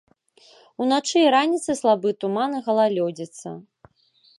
Уначы і раніцай слабы туман і галалёдзіца.